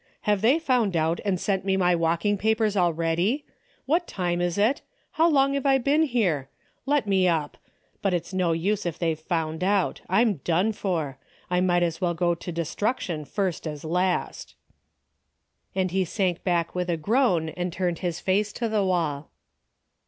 Have they found out and sent me my walking papers already ? What time is it ? How long have I been here ? Let me up. But it's no use if they've found out. I'm done for. DAILY RATEA^ 199 I might as well go to destruction first as last," and he sank back with a groan and turned his face to the wall.